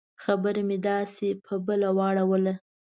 خبره مې داسې په بله واړوله.